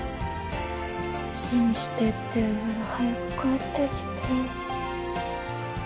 信じてって言うなら早く帰ってきて。